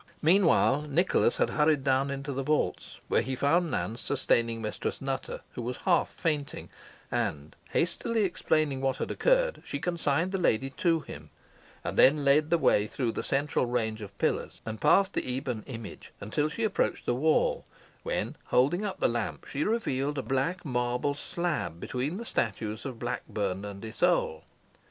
Meanwhile, Nicholas had hurried down into the vaults, where he found Nance sustaining Mistress Nutter, who was half fainting, and hastily explaining what had occurred, she consigned the lady to him, and then led the way through the central range of pillars, and past the ebon image, until she approached the wall, when, holding up the lamp, she revealed a black marble slab between the statues of Blackburn and Isole.